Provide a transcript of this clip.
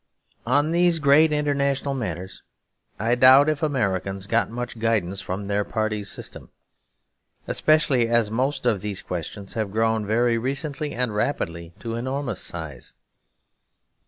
On these great international matters I doubt if Americans got much guidance from their party system; especially as most of these questions have grown very recently and rapidly to enormous size.